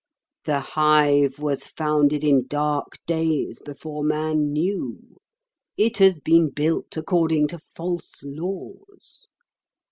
The hive was founded in dark days before man knew; it has been built according to false laws.